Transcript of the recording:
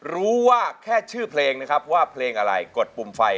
ว่าแค่ชื่อเพลงนะครับว่าเพลงอะไรกดปุ่มไฟ